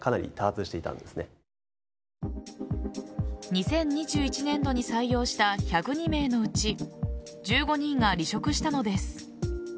２０２１年度に採用した１０２名のうち１５人が離職したのです。